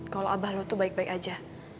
kalau abah lu tuh baik baik aja